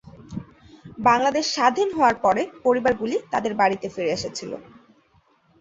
বাংলাদেশ স্বাধীন হওয়ার পরে পরিবারগুলি তাদের বাড়িতে ফিরে এসেছিল।